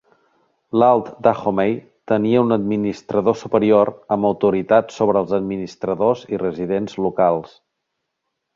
L'Alt Dahomey tenia un administrador superior amb autoritat sobre els administradors i residents locals.